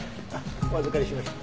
お預かりしましょう。